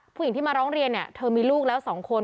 ผู้หญิงที่มาร้องเรียนเธอมีลูกแล้วสองคน